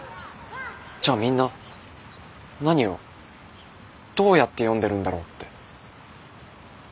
じゃあみんな何をどうやって読んでるんだろうって。